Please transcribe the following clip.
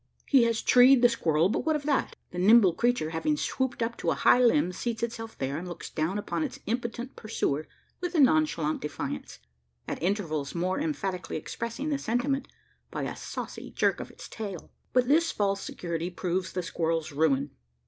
He has "treed" the squirrel; but what of that? The nimble creature, having swooped up to a high limb, seats itself there, and looks down upon its impotent pursuer with a nonchalant defiance at intervals more emphatically expressing the sentiment by a saucy jerk of its tail. But this false security proves the squirrel's ruin.